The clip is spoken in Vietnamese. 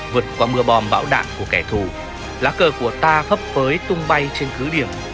vượt qua mưa bòm bão đạn của kẻ thù lá cơ của ta hấp phới tung bay trên cứ điểm